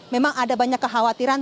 memang ada banyak kekhawatiran